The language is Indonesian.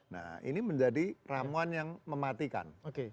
nah ini menjadi ramuan yang mematikan